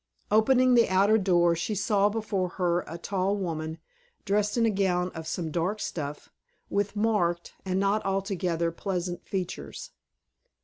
Opening the outer door, she saw before her a tall woman, dressed in a gown of some dark stuff, with marked, and not altogether pleasant features.